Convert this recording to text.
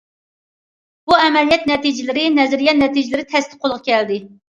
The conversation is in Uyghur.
بۇ ئەمەلىيەت نەتىجىلىرى، نەزەرىيە نەتىجىلىرى تەستە قولغا كەلدى.